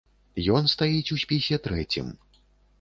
Ён стаіць у спісе трэцім.